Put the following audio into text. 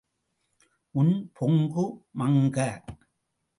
உன் பொங்கு மங்க.